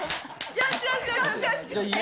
よしよし。